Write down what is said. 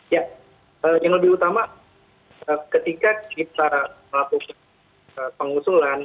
ya yang lebih utama ketika kita melakukan pengusulan